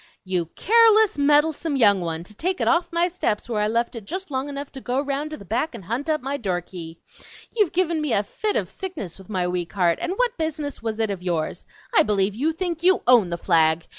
"You careless, meddlesome young one, to take it off my steps where I left it just long enough to go round to the back and hunt up my door key! You've given me a fit of sickness with my weak heart, and what business was it of yours? I believe you think you OWN the flag!